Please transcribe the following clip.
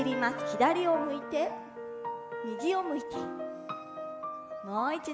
左を向いて、右を向いて。